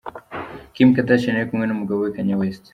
Kim Kardashian yari kumwe n'umugabo we Kanye West.